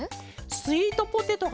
スイートポテトか！